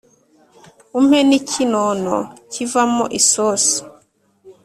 Umpe n'ikinono kivamo isosi."